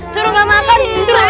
suruh gak makan